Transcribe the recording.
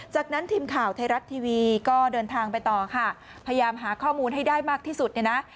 จากนั้นทีมข่าวไทยรัฐทีวีก็เดินทางไปต่อค่ะพยายามหาข้อมูลให้ได้มากที่สุดเนี่ยนะ